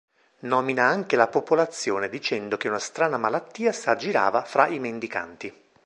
Nomina anche la popolazione dicendo che una strana malattia s'aggirava fra i mendicanti.